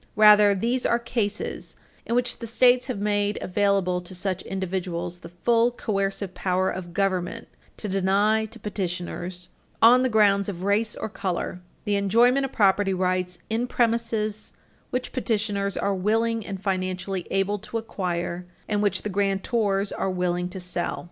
Rather, these are cases in which the States have made available to such individuals the full coercive power of government to deny to petitioners, on the grounds of race or color, the enjoyment of property rights in premises which petitioners are willing and financially able to acquire and which the grantors are willing to sell.